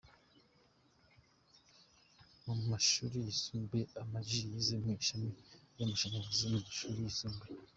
Mu mashuri yisumbuye Ama G yize mu ishami ry’amashanyarazi mu mashuri yisumbuye.